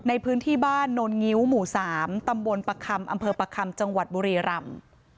ในพื้นที่บ้านโนลงิ้วหมู่๓ตำบลประคำอำเภอประคำจังหวัดบุรีรำ